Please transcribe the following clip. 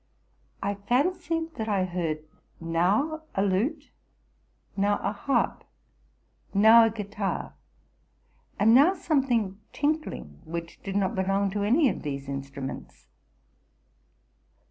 I fancied that I heard now a lute, now a harp, now a guitar, and now something tinkling which did not belong to any of these instruments.